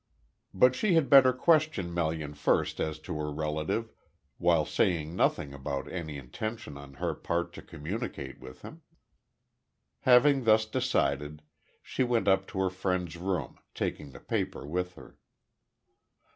But she had better question Melian first as to her relative, while saying nothing about any intention on her part to communicate with him. Having thus decided, she went up to her friend's room, taking the paper with her.